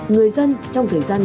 người dân trong thời gian này